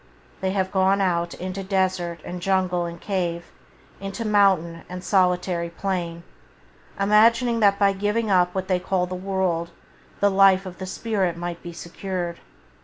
They have gone out into desert and jungle and cave, into mountain and solitary plain, imagining that by giving up what they called the world the life of the spirit might be secured.